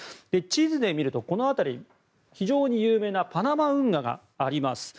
地図で見ると、この辺り非常に有名なパナマ運河があります。